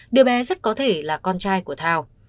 đứa bé rất có thể là con trai của thao